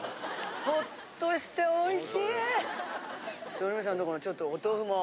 豊ノ島さんとこのちょっとお豆腐も。